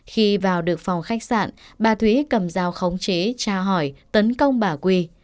khi vào được phòng khách sạn bà thúy cầm dao khống chế tra hỏi tấn công bà quy